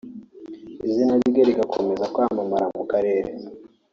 izina rye rigakomeza kwamamara mu karere